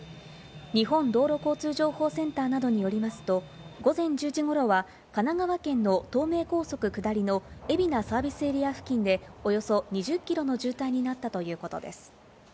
日本道路交通情報センターなどによりますと、午前１０時頃は神奈川県の東名高速下りの海老名サービスエリア付近でおよそ２０キロの渋滞になったということです。